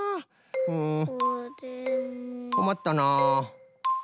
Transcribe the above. うんこまったな。